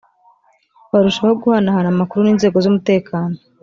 barushaho guhanahana amakuru n’inzego z’umutekano